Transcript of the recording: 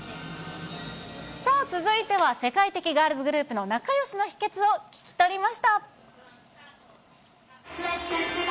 さあ、続いては世界的ガールズグループの仲よしの秘けつを聞き取りました。